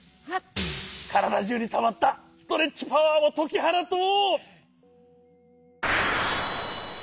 からだじゅうにたまったストレッチパワーをときはなとう！